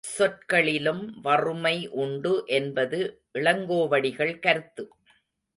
சொற்களிலும் வறுமை உண்டு என்பது இளங்கோவடிகள் கருத்து.